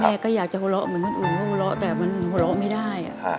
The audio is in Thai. ก็อยากจะหัวเราะเหมือนคนอื่นเขาหัวเราะแต่มันหัวเราะไม่ได้